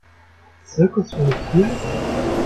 Ein Zirkus ohne Tiere?